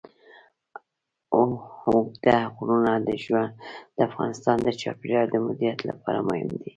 اوږده غرونه د افغانستان د چاپیریال د مدیریت لپاره مهم دي.